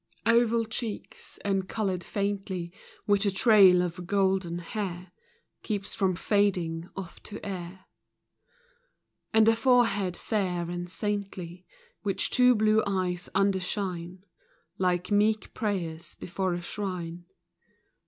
28 FROM QUEENS' GARDENS. Oval cheeks, encolored faintly, Which a trail of golden hair Keeps from fading off to air ; And a forehead fair and saintly, Which two blue eyes undershine, Like meek prayers before a shrine.